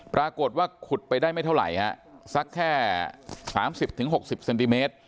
ปรากฏว่าขุดไปได้ไม่เท่าไหร่ฮะสักแค่๓๐๖๐เซนติเมตร